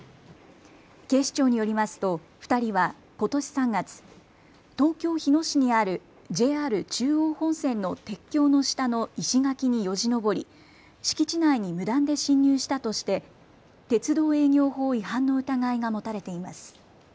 警視庁によりますと２人はことし３月、東京日野市にあるＪＲ中央本線の鉄橋の下の石垣によじ登り敷地内に無断で侵入したとして鉄道営業法違反の疑いが持たれています。